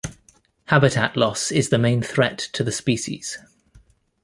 Habitat loss is the main threat to the species.